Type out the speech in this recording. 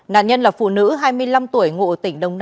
nạn nhân là phụ nữ hai mươi năm tuổi ngụ tình